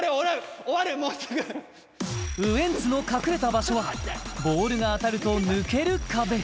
もうすぐウエンツの隠れた場所はボールが当たると抜ける壁